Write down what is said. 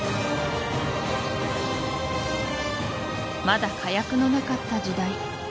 まだ火薬のなかった時代